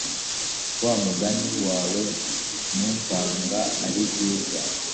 wamugani wawe numvaga aribyiza